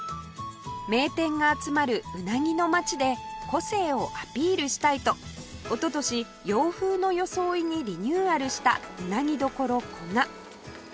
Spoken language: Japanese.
名店が集まるうなぎの街で個性をアピールしたいとおととし洋風の装いにリニューアルしたうなぎ処古賀